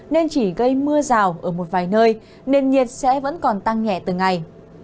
nên chỉ gây mưa rào ở một vài nơi nền nhiệt sẽ vẫn còn tăng nhẹ từng ngày